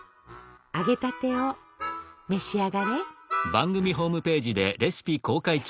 揚げたてを召し上がれ。